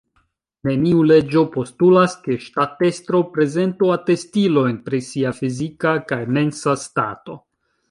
Neniu leĝo postulas, ke ŝtatestro prezentu atestilojn pri sia fizika kaj mensa stato.